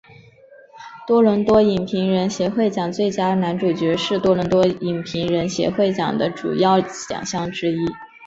多伦多影评人协会奖最佳男主角是多伦多影评人协会奖的主要奖项之一。